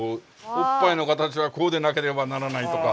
おっぱいの形はこうでなければならないとか。